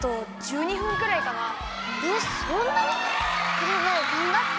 クラムがんばって！